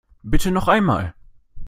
Bitte noch einmal!